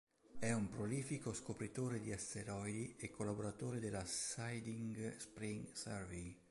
È un prolifico scopritore di asteroidi e collaboratore della Siding Spring Survey.